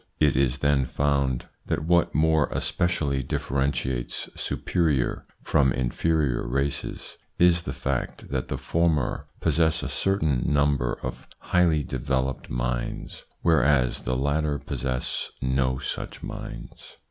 It is then found that what 232 THE PSYCHOLOGY OF PEOPLES: more especially differentiates superior from inferior races is the fact that the former possess a certain number of highly developed minds, whereas the latter possess no such minds.